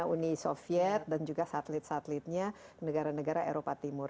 uni soviet dan juga satelit satelitnya negara negara eropa timur